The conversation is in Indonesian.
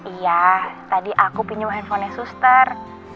iya tadi aku pinjam handphonenya suster